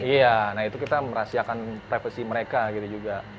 iya nah itu kita merahsiakan privacy mereka gitu juga